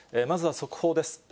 まずは速報です。